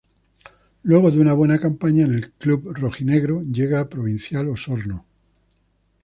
Luego de una buena campaña en el club rojinegro, llega a Provincial Osorno.